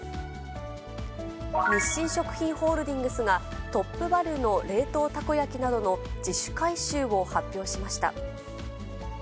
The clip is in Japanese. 日清食品ホールディングスがトップバリュの冷凍たこ焼きなどの自主回収を発表しました。